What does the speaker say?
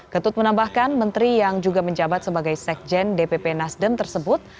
ketut menambahkan menteri yang juga menjabat sebagai sekjen dpp nasdem tersebut